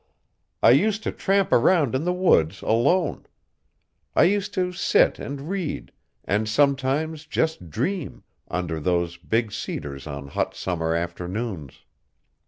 I used to tramp around in the woods alone. I used to sit and read, and sometimes just dream, under those big cedars on hot summer afternoons.